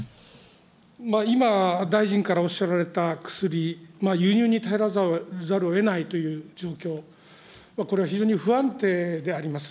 今、大臣からおっしゃられた薬、輸入に頼らざるをえないという状況、これは非常に不安定であります。